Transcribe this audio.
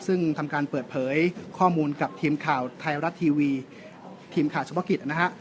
ซึ่งทำการเปิดเผยข้อมูลกับทีมข่าวไทยรัฐทีวีทีมข่าวเฉพาะกิจนะฮะ